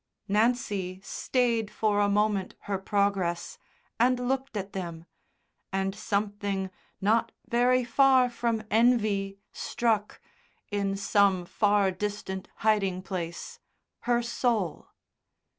Nancy stayed for a moment her progress and looked at them, and something not very far from envy struck, in some far distant hiding place, her soul.